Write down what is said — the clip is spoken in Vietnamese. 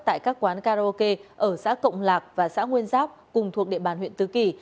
tại các quán karaoke ở xã cộng lạc và xã nguyên giáp cùng thuộc địa bàn huyện tứ kỳ